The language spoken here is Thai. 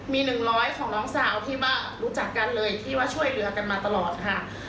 มี๑๐๐ของน้องสาวที่ว่ารู้จักกันเลยที่ว่าช่วยเหลือกันมาตลอดค่ะ